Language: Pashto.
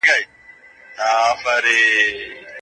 وزیر اکبرخان د خپل وطن د دفاع لپاره مبارزه وکړه.